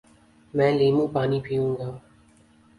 میں لیموں پانی پیوں گا